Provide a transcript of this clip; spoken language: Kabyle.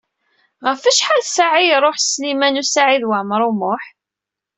Ɣef acḥal ssaɛa i iṛuḥ Sliman U Saɛid Waɛmaṛ U Muḥ?